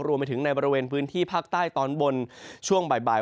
รวมไปถึงในบริเวณพื้นที่ภาคใต้ตอนบนช่วงบ่าย